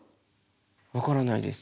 分からないです。